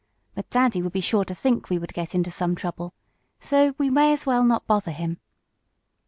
But daddy would be sure to think we would get into some trouble. So we may as well not bother him."